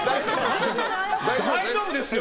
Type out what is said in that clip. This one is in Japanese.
大丈夫ですよ！